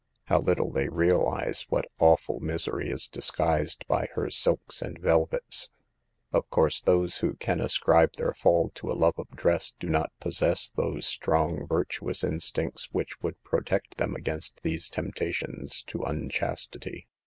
How little they realize what awful misery is disguised by her silks and vel vets. Of course those who can ascribe their fall 176 SAVE THE GIELS. to a. love for dress, do not possess those strong virtuous instincts which would protect them against these temptations to unchastity.